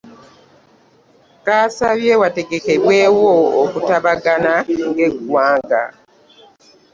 Kasabye wategekebwewo okutabagana ng'eggwanga